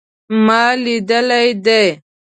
ما لیدلی دی